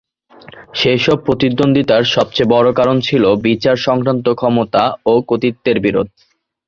সেসব প্রতিদ্বন্দ্বিতার সবচেয়ে বড় কারণ ছিল বিচার সংক্রান্ত ক্ষমতা ও কর্তৃত্বের বিরোধ।